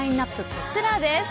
こちらです。